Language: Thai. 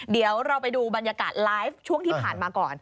เดี๋ยวเราไปดูบรรยากาศไลฟ์ช่วงที่ผ่านมาก่อน